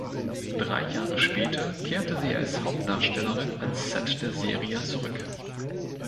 Drei Jahre später kehrte sie als Hauptdarstellerin ans Set der Serie zurück.